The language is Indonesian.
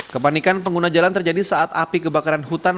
kepanikan pengguna jalan terjadi saat api kebakaran hutan